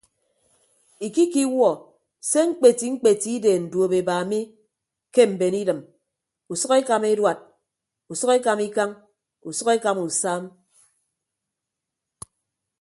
Ikikiwuọ se mkpeti mkpeti ideen duopeba mi ke mben idịm usʌk ekama eduad usʌk ekama ikañ usʌk ekama usam.